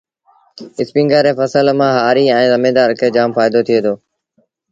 اسپيٚنگر ري ڦسل مآݩ هآريٚ ائيٚݩ زميݩدآر کي جآم ڦآئيٚدو ٿُئي دو۔